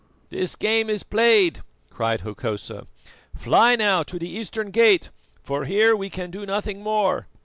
"This game is played!" cried Hokosa. "Fly now to the eastern gate, for here we can do nothing more."